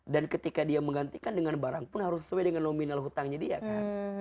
dan ketika dia menggantikan dengan barang pun harus sesuai dengan nominal hutangnya dia kan